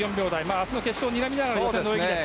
明日の決勝をにらみながらの予選の泳ぎです。